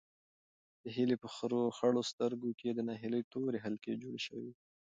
د هیلې په خړو سترګو کې د ناهیلۍ تورې حلقې جوړې شوې وې.